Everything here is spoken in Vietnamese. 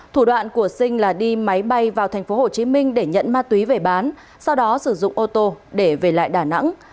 thủ đoạn của sinh là đi máy bay vào tp hcm để nhận ma túy về bán sau đó sử dụng ô tô để về lại đà nẵng